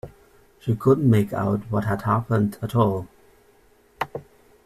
She couldn’t make out what had happened at all.